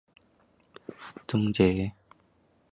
由北京市监察委员会调查终结